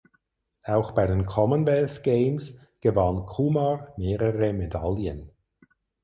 Auch bei den Commonwealth Games gewann Kumar mehrere Medaillen.